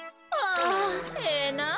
あええなあ